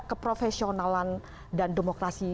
keprofesionalan dan demokrasi